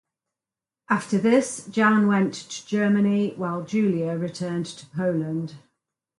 After this, Jan went to Germany while Julia returned to Poland.